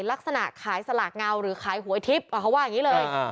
ลักษณะขายสลากเงาหรือขายหวยทิพย์เขาว่าอย่างนี้เลย